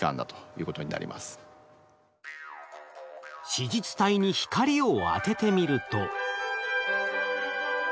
子実体に光を当ててみると。